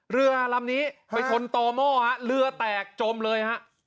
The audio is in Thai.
เรือลำนี้ไปชนต่อหม้อฮะเรือแตกจมเลยฮะ